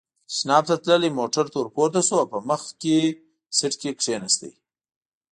تشناب ته تللی، موټر ته ور پورته شو او په مخکې سېټ کې کېناست.